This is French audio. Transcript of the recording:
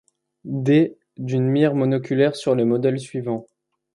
D, d'une mire monoculaire sur les modèles suivants.